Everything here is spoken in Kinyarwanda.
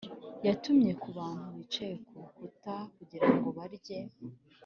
yantumye ku bantu bicaye ku rukuta kugira ngo barye